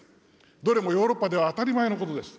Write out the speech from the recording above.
どれもヨーロッパでは当たり前のことです。